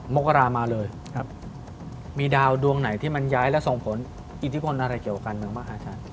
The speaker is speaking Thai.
มกรามาเลยมีดาวดวงไหนที่มันย้ายและส่งผลอิทธิพลอะไรเกี่ยวกับเขา